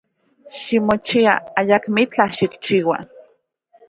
Ximochia, ayakmitlaj xikchiua.